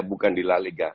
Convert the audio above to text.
bukan di la liga